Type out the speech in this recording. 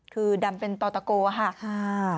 คือดำเป็นต่อตะโกค่ะ